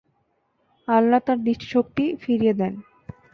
আল্লাহ্ তাঁর দৃষ্টিশক্তি ফিরিয়ে দেন।